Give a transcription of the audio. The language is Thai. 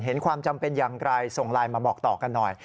ความจำเป็นอย่างไรส่งไลน์มาบอกต่อกันหน่อย